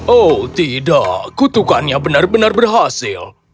oh tidak kutukannya benar benar berhasil